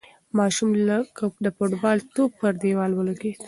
ماشوم لکه د فوټبال توپ پر دېوال ولگېد.